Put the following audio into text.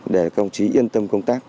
để công chí yên tâm công tác